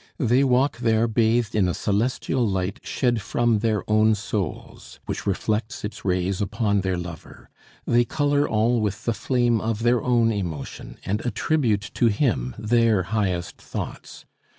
They walk there bathed in a celestial light shed from their own souls, which reflects its rays upon their lover; they color all with the flame of their own emotion and attribute to him their highest thoughts.